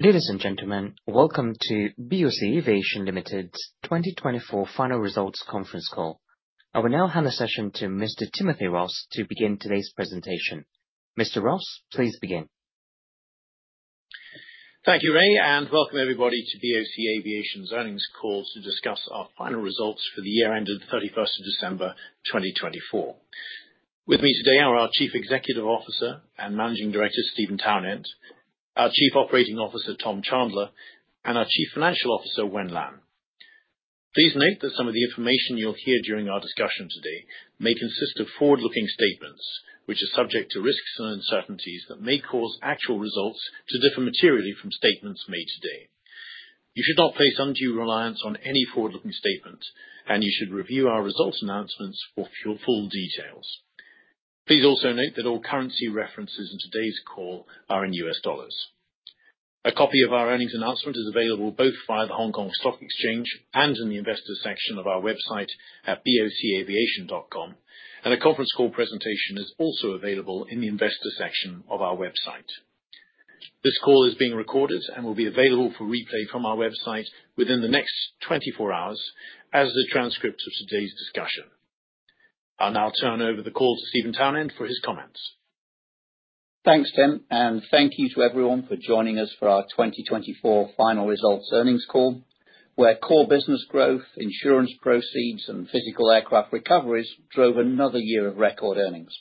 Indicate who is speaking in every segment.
Speaker 1: Ladies and gentlemen, welcome to BOC Aviation Limited's 2024 Final Results Conference Call. I will now hand the session to Mr. Timothy Ross to begin today's presentation. Mr. Ross, please begin.
Speaker 2: Thank you, Ray, and welcome everybody to BOC Aviation's earnings call to discuss our final results for the year ended 31st of December 2024. With me today are our Chief Executive Officer and Managing Director, Steven Townend, our Chief Operating Officer, Tom Chandler, and our Chief Financial Officer, Wen Lan. Please note that some of the information you'll hear during our discussion today may consist of forward-looking statements, which are subject to risks and uncertainties that may cause actual results to differ materially from statements made today. You should not place undue reliance on any forward-looking statement, and you should review our results announcements for full details. Please also note that all currency references in today's call are in US dollars. A copy of our earnings announcement is available both via the Hong Kong Stock Exchange and in the investor section of our website at bocaviation.com, and a conference call presentation is also available in the investor section of our website. This call is being recorded and will be available for replay from our website within the next 24 hours, as the transcript of today's discussion. I'll now turn over the call to Steven Townend for his comments.
Speaker 3: Thanks, Tim, and thank you to everyone for joining us for our 2024 Final Results earnings call, where core business growth, insurance proceeds, and physical aircraft recoveries drove another year of record earnings.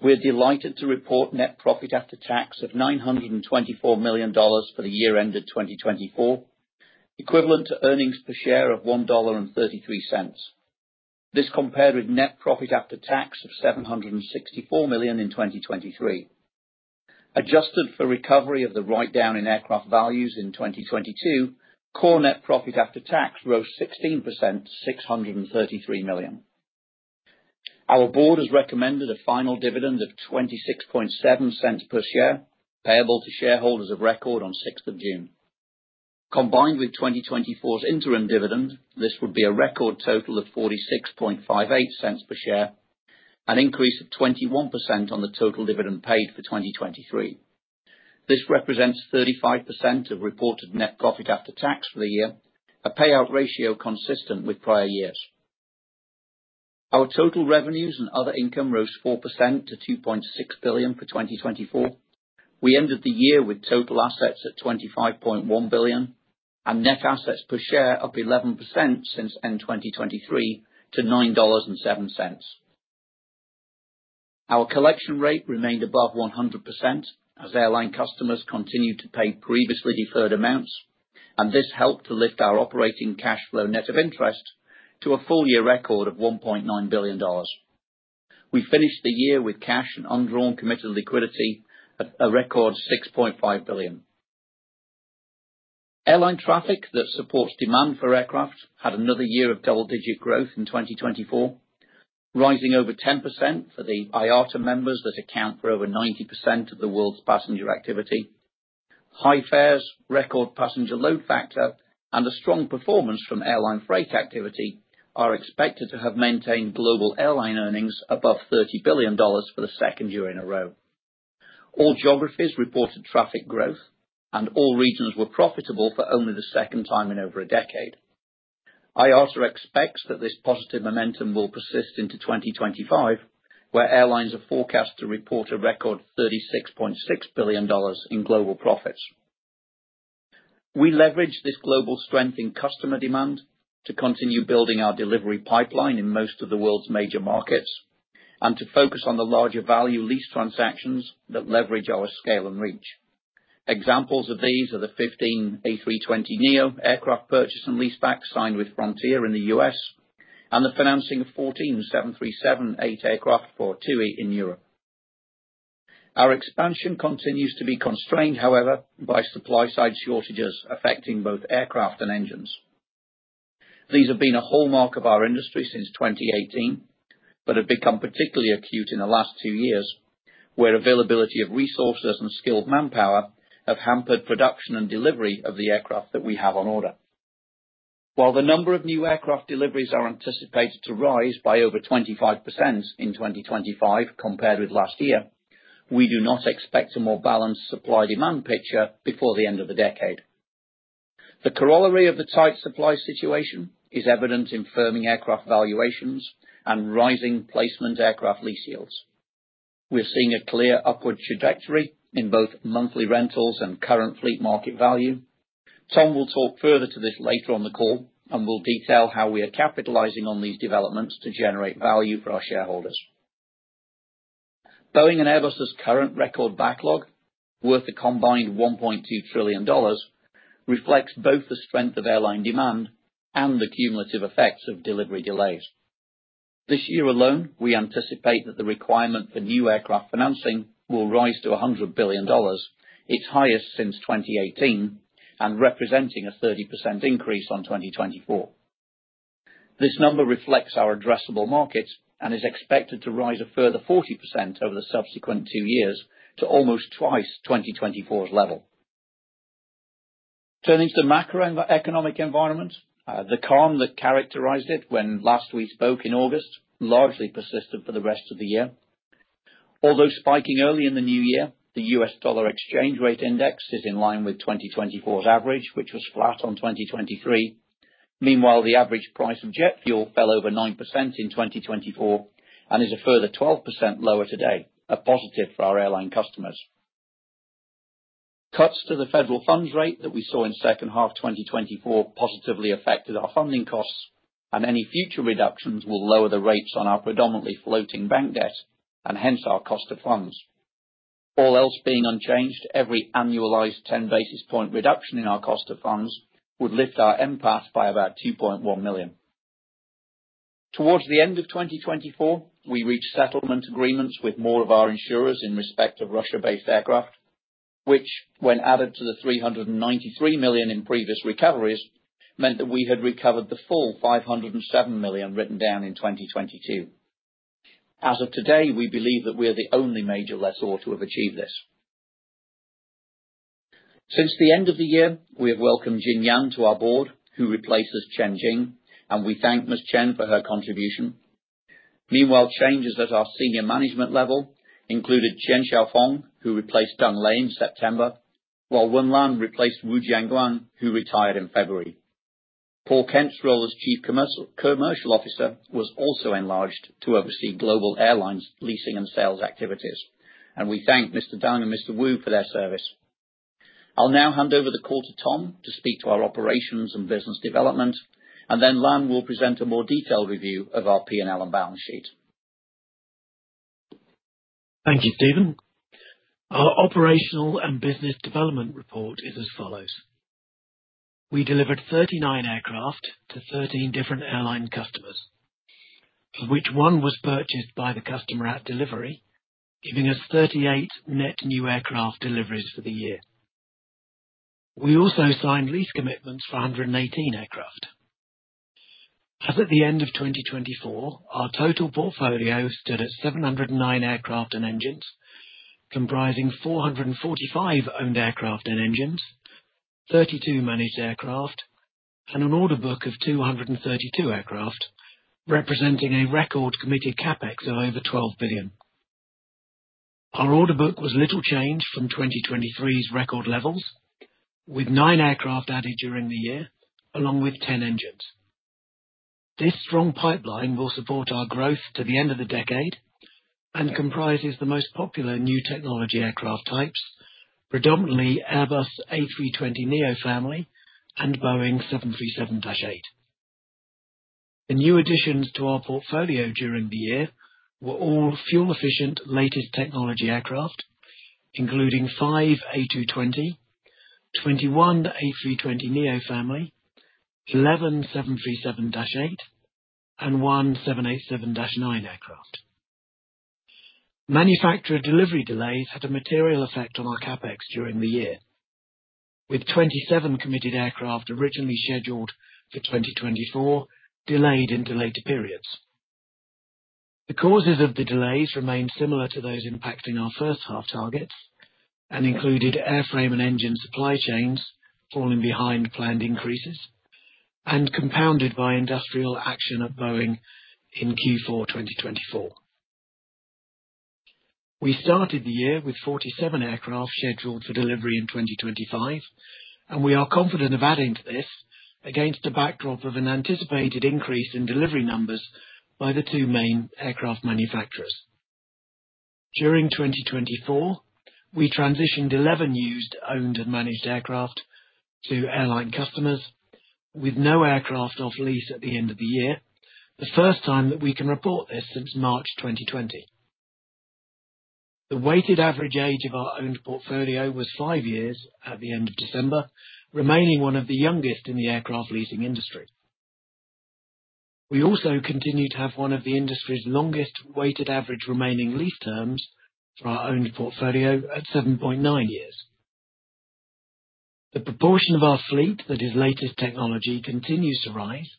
Speaker 3: We're delighted to report net profit after tax of $924 million for the year ended 2024, equivalent to earnings per share of $1.33. This compared with net profit after tax of $764 million in 2023. Adjusted for recovery of the write-down in aircraft values in 2022, core net profit after tax rose 16% to $633 million. Our board has recommended a final dividend of $0.267 per share payable to shareholders of record on June 6th. Combined with 2024's interim dividend, this would be a record total of $0.4658 per share, an increase of 21% on the total dividend paid for 2023. This represents 35% of reported net profit after tax for the year, a payout ratio consistent with prior years. Our total revenues and other income rose 4% to $2.6 billion for 2024. We ended the year with total assets at $25.1 billion and net assets per share up 11% since end 2023 to $9.07. Our collection rate remained above 100% as airline customers continued to pay previously deferred amounts, and this helped to lift our operating cash flow net of interest to a full-year record of $1.9 billion. We finished the year with cash and undrawn committed liquidity at a record $6.5 billion. Airline traffic that supports demand for aircraft had another year of double-digit growth in 2024, rising over 10% for the IATA members that account for over 90% of the world's passenger activity. High fares, record passenger load factor, and a strong performance from airline freight activity are expected to have maintained global airline earnings above $30 billion for the second year in a row. All geographies reported traffic growth, and all regions were profitable for only the second time in over a decade. IATA expects that this positive momentum will persist into 2025, where airlines are forecast to report a record $36.6 billion in global profits. We leverage this global strength in customer demand to continue building our delivery pipeline in most of the world's major markets and to focus on the larger value lease transactions that leverage our scale and reach. Examples of these are the 15 A320neo aircraft purchase and lease back signed with Frontier in the US and the financing of 14 737-8 aircraft for TUI in Europe. Our expansion continues to be constrained, however, by supply-side shortages affecting both aircraft and engines. These have been a hallmark of our industry since 2018 but have become particularly acute in the last two years, where availability of resources and skilled manpower have hampered production and delivery of the aircraft that we have on order. While the number of new aircraft deliveries are anticipated to rise by over 25% in 2025 compared with last year, we do not expect a more balanced supply-demand picture before the end of the decade. The corollary of the tight supply situation is evident in firming aircraft valuations and rising placement aircraft lease yields. We're seeing a clear upward trajectory in both monthly rentals and current fleet market value. Tom will talk further to this later on the call and will detail how we are capitalizing on these developments to generate value for our shareholders. Boeing and Airbus's current record backlog, worth a combined $1.2 trillion, reflects both the strength of airline demand and the cumulative effects of delivery delays. This year alone, we anticipate that the requirement for new aircraft financing will rise to $100 billion, its highest since 2018 and representing a 30% increase on 2024. This number reflects our addressable markets and is expected to rise a further 40% over the subsequent two years to almost twice 2024's level. Turning to macroeconomic environment, the calm that characterized it when last we spoke in August largely persisted for the rest of the year. Although spiking early in the new year, the U.S. Dollar Exchange Rate Index is in line with 2024's average, which was flat on 2023. Meanwhile, the average price of jet fuel fell over 9% in 2024 and is a further 12% lower today, a positive for our airline customers. Cuts to the federal funds rate that we saw in second half 2024 positively affected our funding costs, and any future reductions will lower the rates on our predominantly floating bank debt and hence our cost of funds. All else being unchanged, every annualized 10 basis point reduction in our cost of funds would lift our NPAT by about $2.1 million. Towards the end of 2024, we reached settlement agreements with more of our insurers in respect of Russia-based aircraft, which, when added to the $393 million in previous recoveries, meant that we had recovered the full $507 million written down in 2022. As of today, we believe that we are the only major lessor to have achieved this. Since the end of the year, we have welcomed Jin Yan to our board, who replaces Chen Jing, and we thank Ms. Chen for her contribution. Meanwhile, changes at our senior management level included Chen Xiaofeng, who replaced Deng Lei in September, while Wen Lan replaced Wu Jianguang, who retired in February. Paul Kent's role as Chief Commercial Officer was also enlarged to oversee global airlines' leasing and sales activities, and we thank Mr. Deng and Mr. Wu for their service. I'll now hand over the call to Tom to speak to our operations and business development, and then Lan will present a more detailed review of our P&L and balance sheet.
Speaker 4: Thank you, Steven. Our operational and business development report is as follows. We delivered 39 aircraft to 13 different airline customers, of which one was purchased by the customer at delivery, giving us 38 net new aircraft deliveries for the year. We also signed lease commitments for 118 aircraft. As at the end of 2024, our total portfolio stood at 709 aircraft and engines, comprising 445 owned aircraft and engines, 32 managed aircraft, and an order book of 232 aircraft, representing a record-committed CapEx of over $12 billion. Our order book was little changed from 2023's record levels, with nine aircraft added during the year, along with 10 engines. This strong pipeline will support our growth to the end of the decade and comprises the most popular new technology aircraft types, predominantly Airbus A320neo family and Boeing 737-8. The new additions to our portfolio during the year were all fuel-efficient latest technology aircraft, including five A220, 21 A320neo family, 11 737-8, and one 787-9 aircraft. Manufacturer delivery delays had a material effect on our CAPEX during the year, with 27 committed aircraft originally scheduled for 2024 delayed into later periods. The causes of the delays remained similar to those impacting our first half targets and included airframe and engine supply chains falling behind planned increases and compounded by industrial action at Boeing in Q4 2024. We started the year with 47 aircraft scheduled for delivery in 2025, and we are confident of adding to this against a backdrop of an anticipated increase in delivery numbers by the two main aircraft manufacturers. During 2024, we transitioned 11 used owned and managed aircraft to airline customers, with no aircraft off lease at the end of the year, the first time that we can report this since March 2020. The weighted average age of our owned portfolio was five years at the end of December, remaining one of the youngest in the aircraft leasing industry. We also continue to have one of the industry's longest weighted average remaining lease terms for our owned portfolio at 7.9 years. The proportion of our fleet that is latest technology continues to rise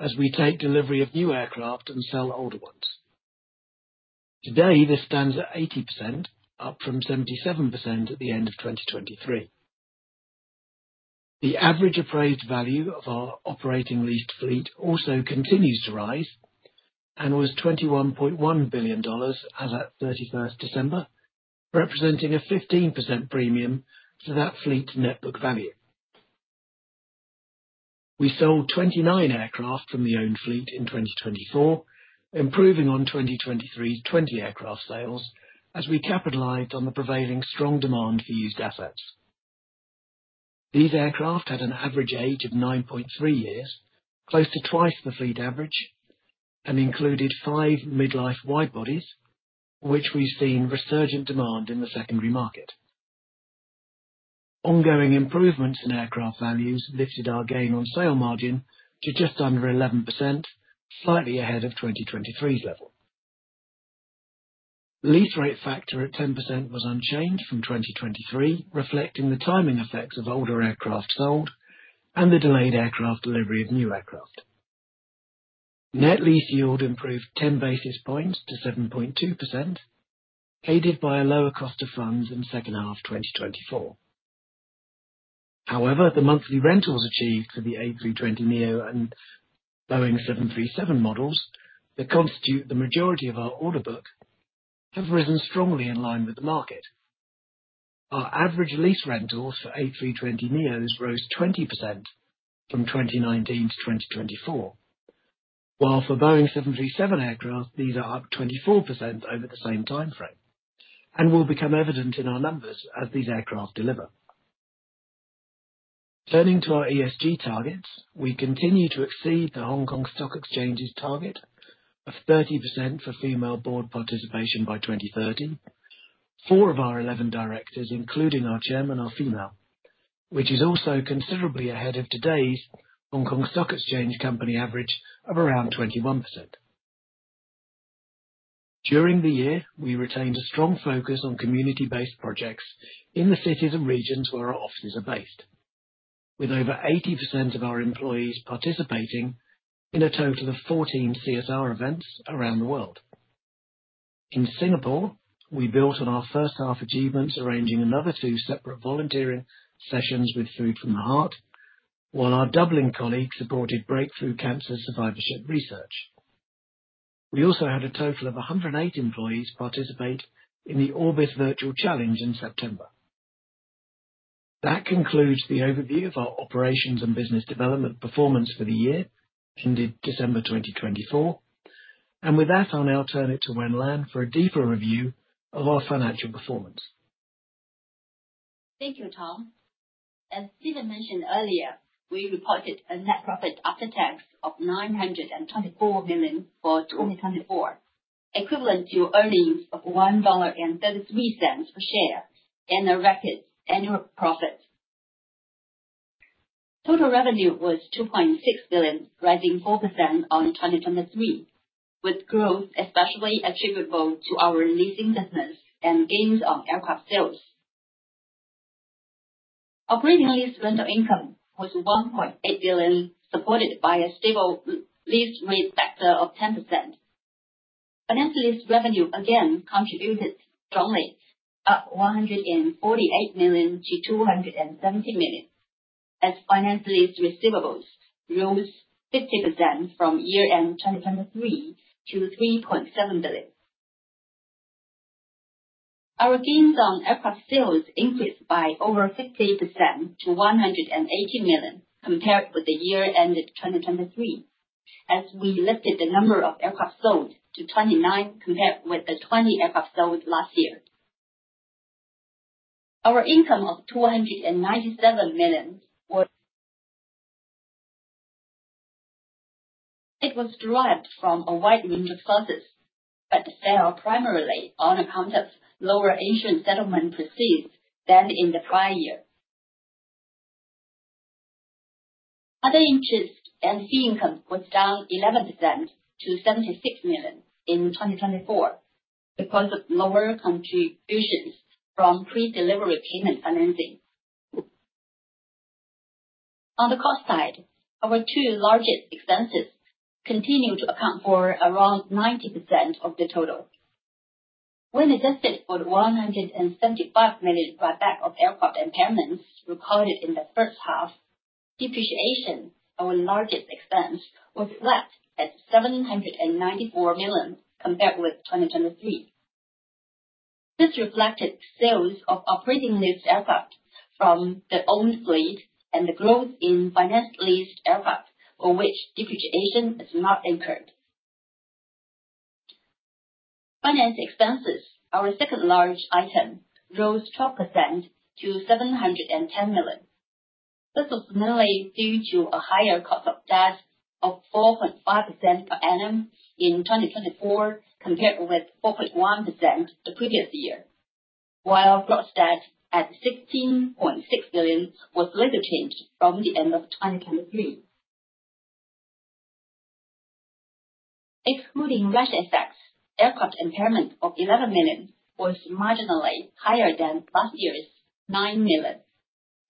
Speaker 4: as we take delivery of new aircraft and sell older ones. Today, this stands at 80%, up from 77% at the end of 2023. The average appraised value of our operating leased fleet also continues to rise and was $21.1 billion as at 31st December, representing a 15% premium to that fleet's net book value. We sold 29 aircraft from the owned fleet in 2024, improving on 2023's 20 aircraft sales as we capitalized on the prevailing strong demand for used assets. These aircraft had an average age of 9.3 years, close to twice the fleet average, and included five mid-life widebodies, for which we've seen resurgent demand in the secondary market. Ongoing improvements in aircraft values lifted our gain on sale margin to just under 11%, slightly ahead of 2023's level. Lease rate factor at 10% was unchanged from 2023, reflecting the timing effects of older aircraft sold and the delayed aircraft delivery of new aircraft. Net lease yield improved 10 basis points to 7.2%, aided by a lower cost of funds in second half 2024. However, the monthly rentals achieved for the A320neo and Boeing 737 models that constitute the majority of our order book have risen strongly in line with the market. Our average lease rentals for A320neos rose 20% from 2019 to 2024, while for Boeing 737 aircraft, these are up 24% over the same timeframe and will become evident in our numbers as these aircraft deliver. Turning to our ESG targets, we continue to exceed the Hong Kong Stock Exchange's target of 30% for female board participation by 2030. Four of our 11 directors, including our chairman, are female, which is also considerably ahead of today's Hong Kong Stock Exchange company average of around 21%. During the year, we retained a strong focus on community-based projects in the cities and regions where our offices are based, with over 80% of our employees participating in a total of 14 CSR events around the world. In Singapore, we built on our first half achievements, arranging another two separate volunteering sessions with Food from the Heart, while our Dublin colleagues supported Breakthrough Cancer Research. We also had a total of 108 employees participate in the Orbis Virtual Challenge in September. That concludes the overview of our operations and business development performance for the year ended December 2024, and with that, I'll now turn it to Wen Lan for a deeper review of our financial performance.
Speaker 5: Thank you, Tom. As Steven mentioned earlier, we reported a net profit after tax of $924 million for 2024, equivalent to earnings of $1.33 per share in our record annual profits. Total revenue was $2.6 billion, rising 4% on 2023, with growth especially attributable to our leasing business and gains on aircraft sales. Operating lease rental income was $1.8 billion, supported by a stable lease rate factor of 10%. Finance lease revenue again contributed strongly, up $148 million to $270 million, as finance lease receivables rose 50% from year-end 2023 to $3.7 billion. Our gains on aircraft sales increased by over 50% to $180 million compared with the year-end 2023, as we lifted the number of aircraft sold to 29 compared with the 20 aircraft sold last year. Our income of $297 million was derived from a wide range of sources, but fell primarily on account of lower insurance settlement proceeds than in the prior year. Other interest and fee income was down 11% to $76 million in 2024 because of lower contributions from pre-delivery payment financing. On the cost side, our two largest expenses continue to account for around 90% of the total. When adjusted for the $175 million buyback of aircraft impairments recorded in the first half, depreciation, our largest expense, was flat at $794 million compared with 2023. This reflected sales of operating leased aircraft from the owned fleet and the growth in finance leased aircraft, for which depreciation is not incurred. Finance expenses, our second-largest item, rose 12% to $710 million. This was mainly due to a higher cost of debt of 4.5% per annum in 2024 compared with 4.1% the previous year, while gross debt at $16.6 billion was little changed from the end of 2023. Excluding inflation effects, aircraft impairment of $11 million was marginally higher than last year's $9 million,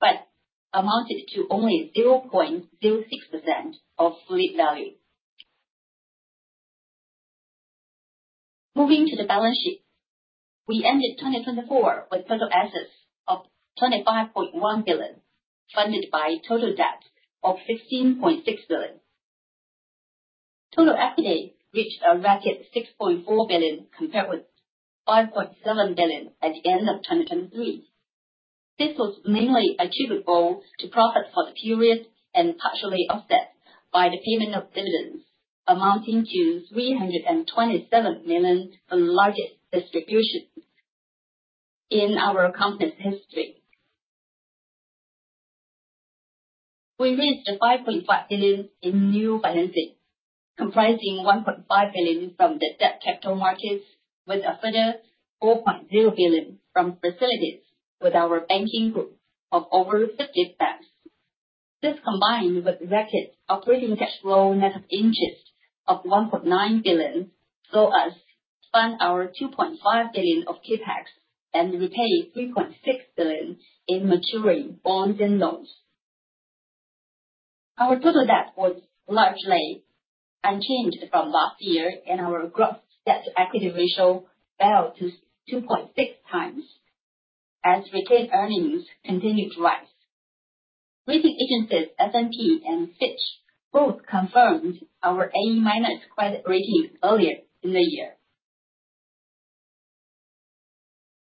Speaker 5: but amounted to only 0.06% of fleet value. Moving to the balance sheet, we ended 2024 with total assets of $25.1 billion, funded by total debt of $15.6 billion. Total equity reached a record $6.4 billion compared with $5.7 billion at the end of 2023. This was mainly attributable to profit for the period and partially offset by the payment of dividends, amounting to $327 million for the largest distribution in our company's history. We raised $5.5 billion in new financing, comprising $1.5 billion from the debt capital markets, with a further $4.0 billion from facilities with our banking group of over 50 banks. This combined with record operating cash flow net of interest of $1.9 billion saw us fund our $2.5 billion of CAPEX and repay $3.6 billion in maturing bonds and loans. Our total debt was largely unchanged from last year, and our gross debt to equity ratio fell to 2.6 times as retained earnings continued to rise. Rating agencies S&P and Fitch both confirmed our A-minus credit rating earlier in the year.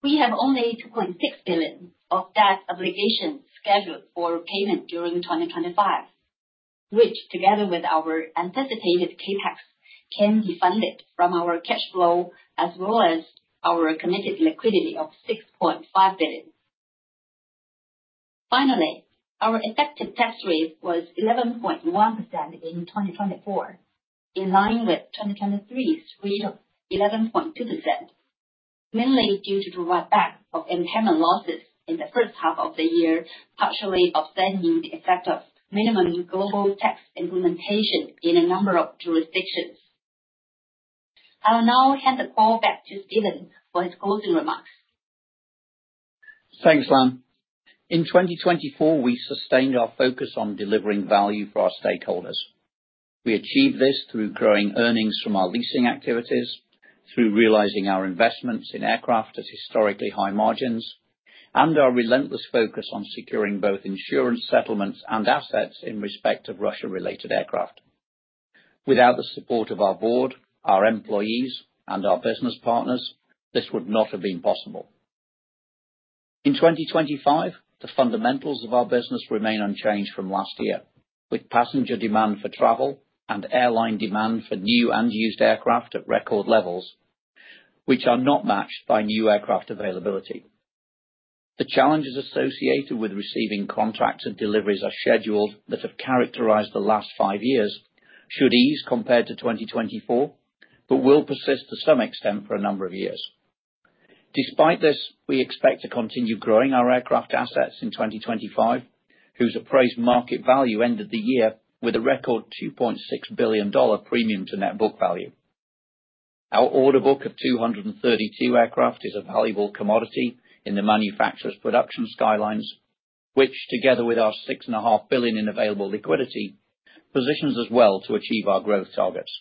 Speaker 5: We have only $2.6 billion of debt obligations scheduled for payment during 2025, which, together with our anticipated CAPEX, can be funded from our cash flow as well as our committed liquidity of $6.5 billion. Finally, our effective tax rate was 11.1% in 2024, in line with 2023's rate of 11.2%, mainly due to the recovery of impairment losses in the first half of the year, partially offsetting the effect of minimum global tax implementation in a number of jurisdictions. I'll now hand the call back to Steven for his closing remarks.
Speaker 3: Thanks, Lan. In 2024, we sustained our focus on delivering value for our stakeholders. We achieved this through growing earnings from our leasing activities, through realizing our investments in aircraft at historically high margins, and our relentless focus on securing both insurance settlements and assets in respect of Russia-related aircraft. Without the support of our board, our employees, and our business partners, this would not have been possible. In 2025, the fundamentals of our business remain unchanged from last year, with passenger demand for travel and airline demand for new and used aircraft at record levels, which are not matched by new aircraft availability. The challenges associated with receiving contracts and deliveries as scheduled that have characterized the last five years should ease compared to 2024, but will persist to some extent for a number of years. Despite this, we expect to continue growing our aircraft assets in 2025, whose appraised market value ended the year with a record $2.6 billion premium to net book value. Our order book of 232 aircraft is a valuable commodity in the manufacturer's production skylines, which, together with our $6.5 billion in available liquidity, positions us well to achieve our growth targets.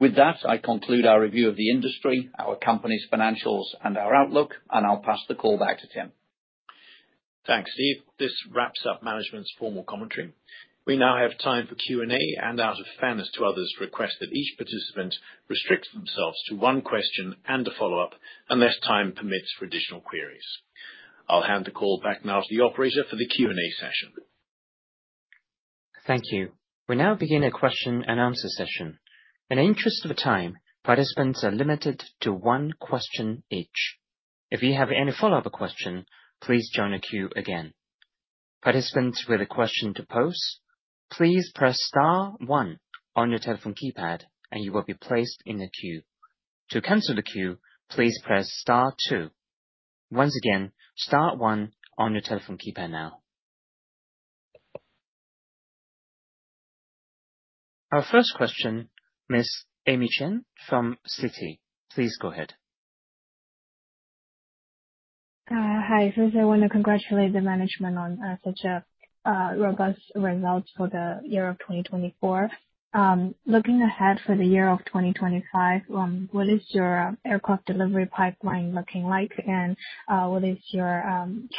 Speaker 3: With that, I conclude our review of the industry, our company's financials, and our outlook, and I'll pass the call back to Tim.
Speaker 2: Thanks, Steve. This wraps up management's formal commentary. We now have time for Q&A, and out of fairness to others, request that each participant restrict themselves to one question and a follow-up unless time permits for additional queries. I'll hand the call back now to the operator for the Q&A session.
Speaker 1: Thank you. We now begin a question-and-answer session. In the interest of time, participants are limited to one question each. If you have any follow-up question, please join the queue again. Participants with a question to pose, please press Star 1 on your telephone keypad, and you will be placed in the queue. To cancel the queue, please press Star 2. Once again, Star 1 on your telephone keypad now. Our first question, Ms. Amy Chen from Citi, please go ahead.
Speaker 6: Hi, first I want to congratulate the management on such a robust result for the year of 2024. Looking ahead for the year of 2025, what is your aircraft delivery pipeline looking like, and what is your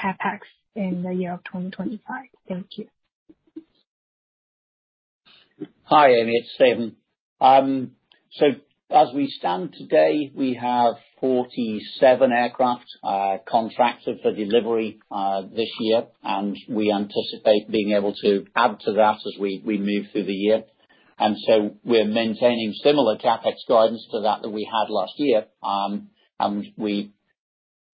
Speaker 6: CAPEX in the year of 2025? Thank you.
Speaker 3: Hi, Amy. It's Steven. So as we stand today, we have 47 aircraft contracted for delivery this year, and we anticipate being able to add to that as we move through the year. And so we're maintaining similar CAPEX guidance to that that we had last year, and we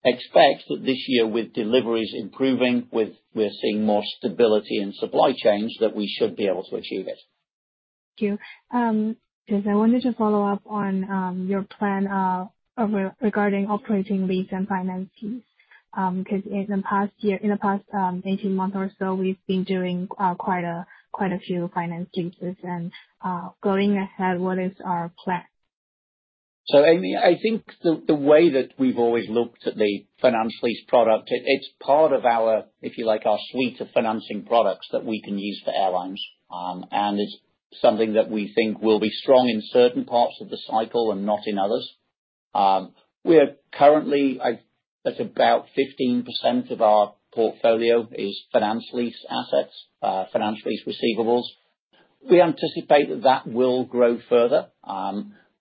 Speaker 3: expect that this year, with deliveries improving, we're seeing more stability in supply chains that we should be able to achieve it.
Speaker 6: Thank you. Because I wanted to follow up on your plan regarding operating lease and finance lease. Because in the past 18 months or so, we've been doing quite a few finance leases. And going ahead, what is our plan?
Speaker 3: So Amy, I think the way that we've always looked at the finance lease product, it's part of our, if you like, our suite of financing products that we can use for airlines. And it's something that we think will be strong in certain parts of the cycle and not in others. Currently, that's about 15% of our portfolio is finance lease assets, finance lease receivables. We anticipate that that will grow further.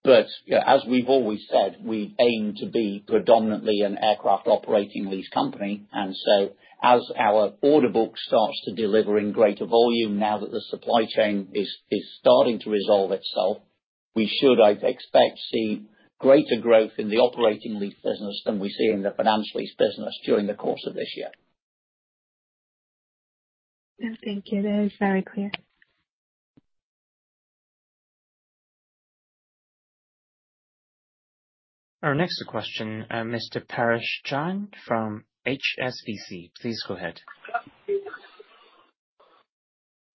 Speaker 3: But as we've always said, we aim to be predominantly an aircraft operating lease company. And so as our order book starts to deliver in greater volume, now that the supply chain is starting to resolve itself, we should expect to see greater growth in the operating lease business than we see in the finance lease business during the course of this year.
Speaker 6: Thank you. That is very clear.
Speaker 1: Our next question, Mr. Paresh Jain from HSBC. Please go ahead.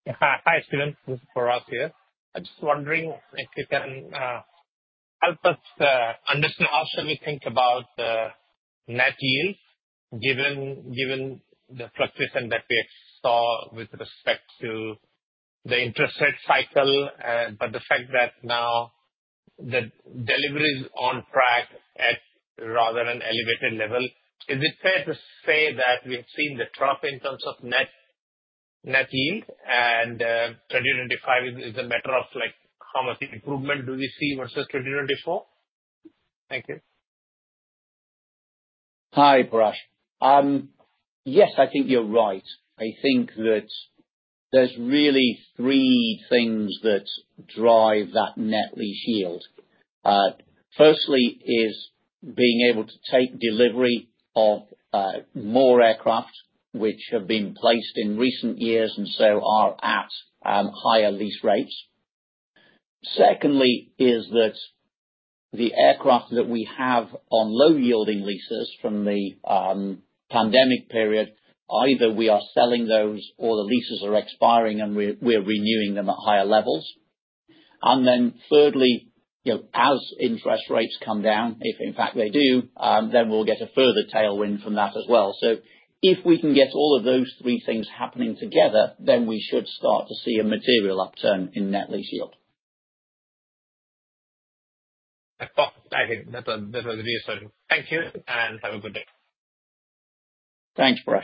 Speaker 7: Hi, Steven. This is Paresh here. I'm just wondering if you can help us understand how should we think about the net yield given the fluctuation that we saw with respect to the interest rate cycle. But the fact that now the delivery is on track at rather an elevated level, is it fair to say that we have seen the drop in terms of net yield? And 2025 is a matter of how much improvement do we see versus 2024? Thank you.
Speaker 3: Hi, Paresh. Yes, I think you're right. I think that there's really three things that drive that net lease yield. Firstly is being able to take delivery of more aircraft, which have been placed in recent years and so are at higher lease rates. Secondly is that the aircraft that we have on low-yielding leases from the pandemic period, either we are selling those or the leases are expiring and we're renewing them at higher levels, and then thirdly, as interest rates come down, if in fact they do, then we'll get a further tailwind from that as well, so if we can get all of those three things happening together, then we should start to see a material upturn in net lease yield.
Speaker 8: I think that was really sort of. Thank you and have a good day.
Speaker 3: Thanks, Paresh.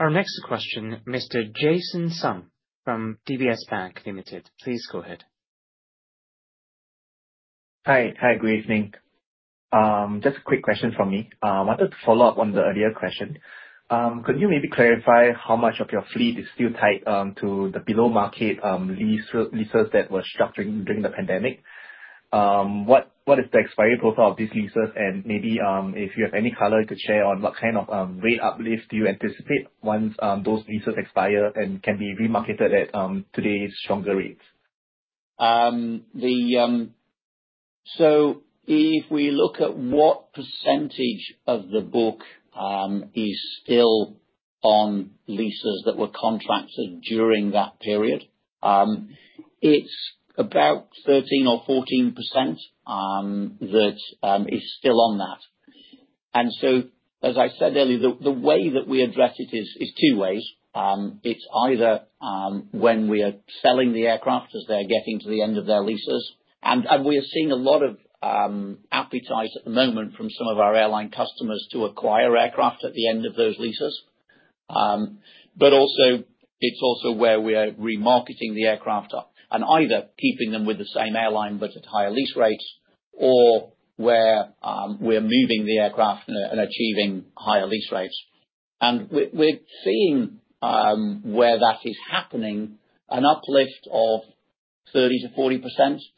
Speaker 1: Our next question, Mr. Jay Sun from DBS Bank Limited. Please go ahead.
Speaker 5: Hi, good evening. Just a quick question from me. I wanted to follow up on the earlier question. Could you maybe clarify how much of your fleet is still tied to the below-market leases that were structured during the pandemic? What is the expiry profile of these leases? And maybe if you have any color to share on what kind of rate uplift do you anticipate once those leases expire and can be remarketed at today's stronger rates?
Speaker 3: So if we look at what percentage of the book is still on leases that were contracted during that period, it's about 13% or 14% that is still on that. And so as I said earlier, the way that we address it is two ways. It's either when we are selling the aircraft as they're getting to the end of their leases. And we are seeing a lot of appetite at the moment from some of our airline customers to acquire aircraft at the end of those leases. But it's also where we are remarketing the aircraft up and either keeping them with the same airline but at higher lease rates or where we're moving the aircraft and achieving higher lease rates. And we're seeing where that is happening, an uplift of 30%-40%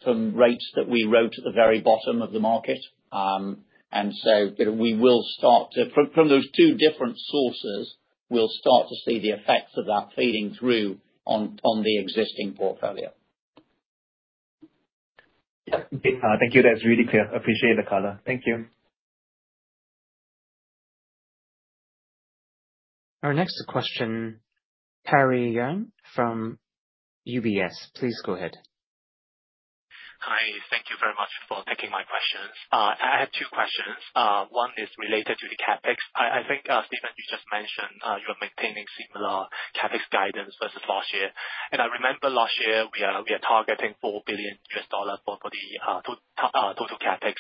Speaker 3: from rates that we wrote at the very bottom of the market. We will start to, from those two different sources, we'll start to see the effects of that feeding through on the existing portfolio.
Speaker 5: Thank you. That's really clear. Appreciate the color. Thank you.
Speaker 1: Our next question, Harry Yeung from UBS. Please go ahead.
Speaker 9: Hi. Thank you very much for taking my questions. I have two questions. One is related to the CapEx. I think, Steven, you just mentioned you are maintaining similar CapEx guidance versus last year. And I remember last year we are targeting $4 billion for the total CapEx.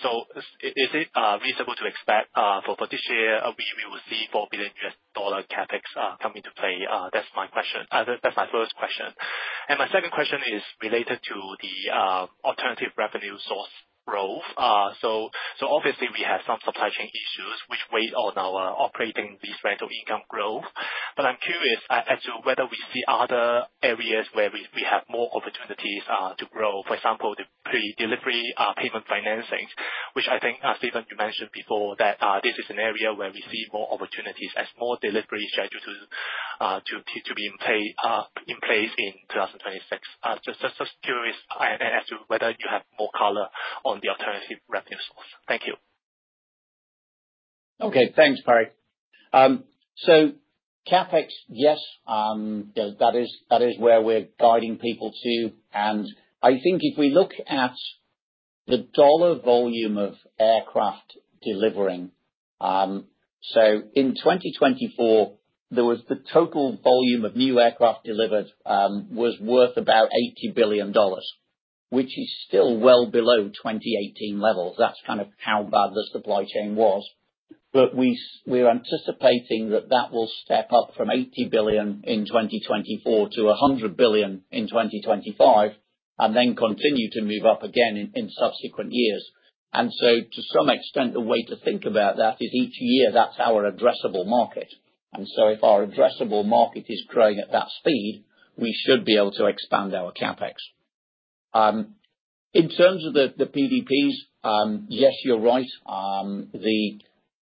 Speaker 9: So is it reasonable to expect for this year we will see $4 billion CapEx come into play? That's my question. That's my first question. And my second question is related to the alternative revenue source growth. So obviously, we have some supply chain issues which weigh on our operating lease rental income growth. But I'm curious as to whether we see other areas where we have more opportunities to grow. For example, the pre-delivery payment financing, which I think, Steven, you mentioned before that this is an area where we see more opportunities as more delivery schedules to be in place in 2026. Just curious as to whether you have more color on the alternative revenue source? Thank you.
Speaker 3: Okay. Thanks, Harry. So CapEx, yes, that is where we're guiding people to. And I think if we look at the dollar volume of aircraft delivering, so in 2024, the total volume of new aircraft delivered was worth about $80 billion, which is still well below 2018 levels. That's kind of how bad the supply chain was. But we're anticipating that that will step up from $80 billion in 2024 to $100 billion in 2025, and then continue to move up again in subsequent years. And so to some extent, the way to think about that is each year that's our addressable market. And so if our addressable market is growing at that speed, we should be able to expand our CapEx. In terms of the PDPs, yes, you're right.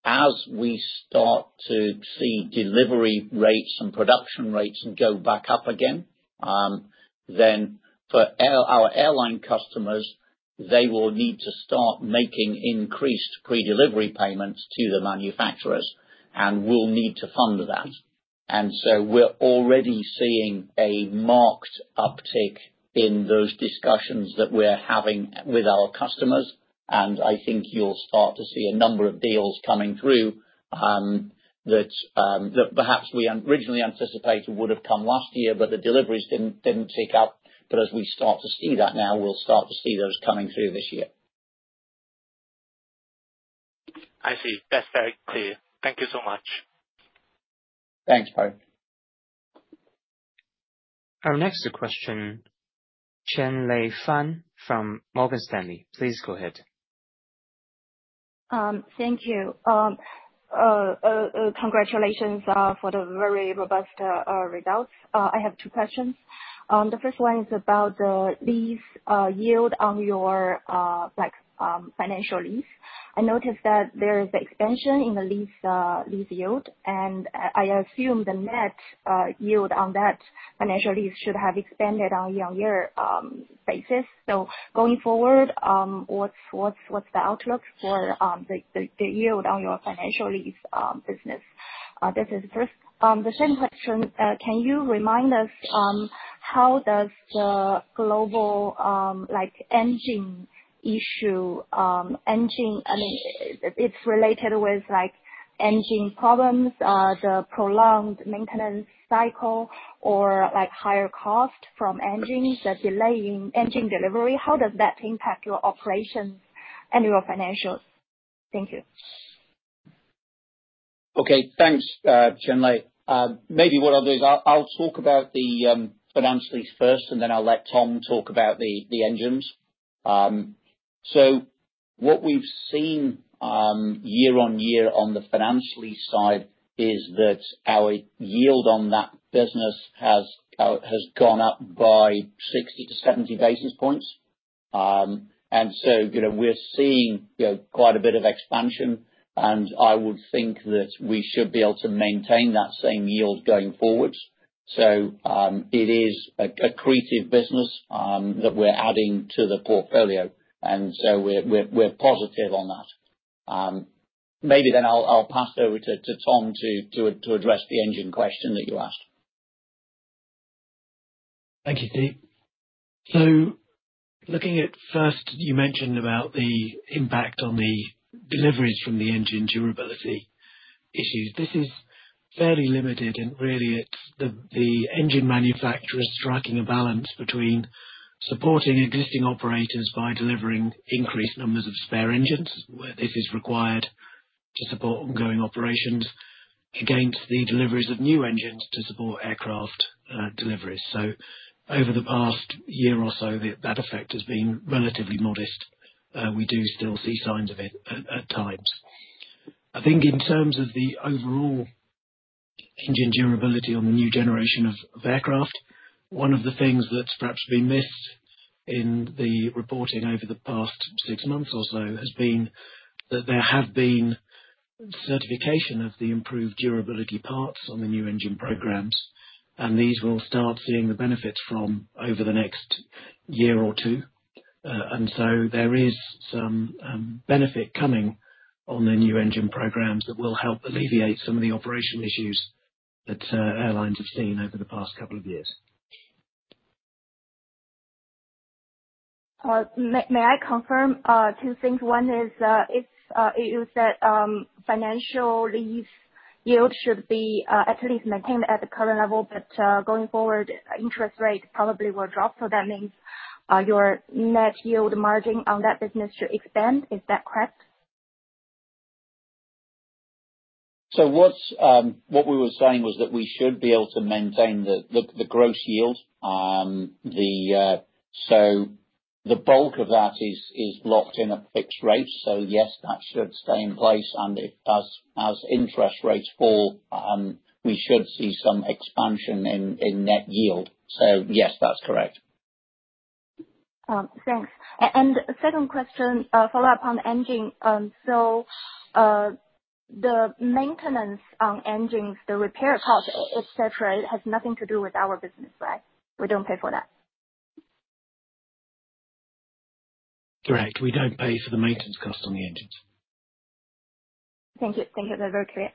Speaker 3: As we start to see delivery rates and production rates go back up again, then for our airline customers, they will need to start making increased pre-delivery payments to the manufacturers and will need to fund that, and so we're already seeing a marked uptick in those discussions that we're having with our customers, and I think you'll start to see a number of deals coming through that perhaps we originally anticipated would have come last year, but the deliveries didn't tick up, but as we start to see that now, we'll start to see those coming through this year.
Speaker 9: I see. That's very clear. Thank you so much.
Speaker 3: Thanks, Harry.
Speaker 1: Our next question, Qianlei Fan from Morgan Stanley. Please go ahead.
Speaker 10: Thank you. Congratulations for the very robust results. I have two questions. The first one is about the lease yield on your finance lease. I noticed that there is an expansion in the lease yield, and I assume the net yield on that finance lease should have expanded on a year-on-year basis. So going forward, what's the outlook for the yield on your finance lease business? This is the first. The second question, can you remind us how the global engine issue—I mean, it's related with engine problems, the prolonged maintenance cycle, or higher cost from engines, the delay in engine delivery—impacts your operations and your financials? Thank you.
Speaker 3: Okay. Thanks, Chen Lei. Maybe what I'll do is I'll talk about the finance lease first, and then I'll let Tom talk about the engines, so what we've seen year-on-year on the finance lease side is that our yield on that business has gone up by 60-70 basis points, and so we're seeing quite a bit of expansion, and I would think that we should be able to maintain that same yield going forward. So it is a credit business that we're adding to the portfolio, and so we're positive on that. Maybe then I'll pass over to Tom to address the engine question that you asked.
Speaker 2: Thank you, Steve. So looking at first, you mentioned about the impact on the deliveries from the engine durability issues. This is fairly limited, and really it's the engine manufacturers striking a balance between supporting existing operators by delivering increased numbers of spare engines, where this is required to support ongoing operations, against the deliveries of new engines to support aircraft deliveries. So over the past year or so, that effect has been relatively modest. We do still see signs of it at times. I think in terms of the overall engine durability on the new generation of aircraft, one of the things that's perhaps been missed in the reporting over the past six months or so has been that there have been certification of the improved durability parts on the new engine programs. And these will start seeing the benefits from over the next year or two. There is some benefit coming on the new engine programs that will help alleviate some of the operational issues that airlines have seen over the past couple of years.
Speaker 10: May I confirm two things? One is you said finance lease yield should be at least maintained at the current level, but going forward, interest rates probably will drop. So that means your net yield margin on that business should expand. Is that correct?
Speaker 3: So what we were saying was that we should be able to maintain the gross yield. So the bulk of that is locked in at fixed rates. So yes, that should stay in place. And as interest rates fall, we should see some expansion in net yield. So yes, that's correct.
Speaker 10: Thanks. And second question, follow-up on engine. So the maintenance on engines, the repair cost, etc., it has nothing to do with our business, right? We don't pay for that?
Speaker 2: Correct. We don't pay for the maintenance cost on the engines.
Speaker 10: Thank you. Thank you. That's very clear.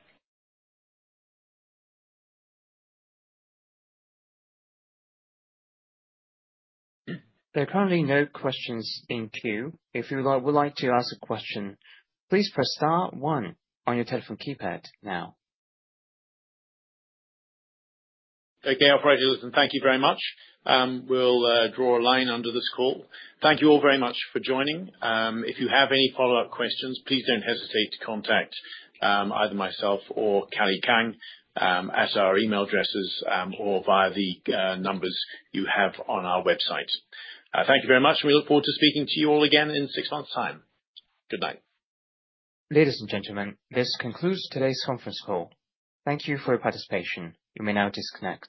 Speaker 1: There are currently no questions in queue. If you would like to ask a question, please press star one on your telephone keypad now.
Speaker 4: Okay. I'll phrase it as, and thank you very much. We'll draw a line under this call. Thank you all very much for joining. If you have any follow-up questions, please don't hesitate to contact either myself or Kelly Kang at our email addresses or via the numbers you have on our website. Thank you very much, and we look forward to speaking to you all again in six months' time. Good night.
Speaker 1: Ladies and gentlemen, this concludes today's conference call. Thank you for your participation. You may now disconnect.